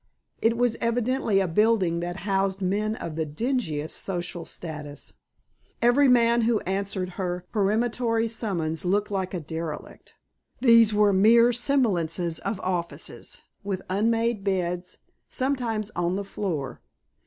It was evidently a building that housed men of the dingiest social status. Every man who answered her peremptory summons looked like a derelict. These were mere semblances of offices, with unmade beds, sometimes on the floor.